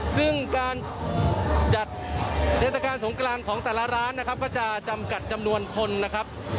ซึ่งการจัดเทศกาลสงกรานของแต่ละร้านนะครับก็จะจำกัดจำนวนคนนะครับ